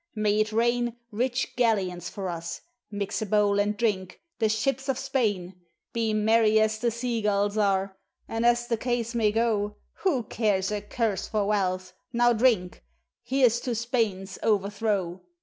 May it rain Rich galleons for us! Mix a bowl and drink, "The ships of Spain!" Be merry as the sea gulls are; and, as the case may go, Who cares a curse for wealth! Now drink: "Here's to Spain's overthrow!"